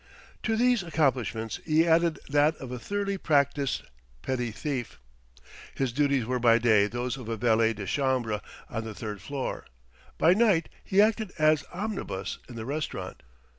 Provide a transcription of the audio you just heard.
To these accomplishments he added that of a thoroughly practised petty thief. His duties were by day those of valet de chambre on the third floor; by night he acted as omnibus in the restaurant.